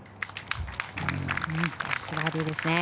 ナイスバーディーですね。